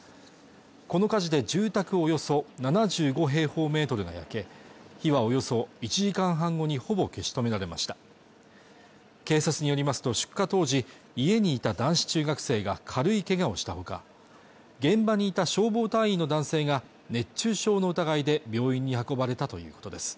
この火事で住宅およそ７５平方メートルが焼け火はおよそ１時間半後にほぼ消し止められました警察によりますと出火当時家にいた男子中学生が軽いけがをしたほか現場にいた消防隊員の男性が熱中症の疑いで病院に運ばれたということです